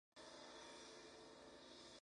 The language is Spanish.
Estas sesiones tienen lugar en las excavaciones.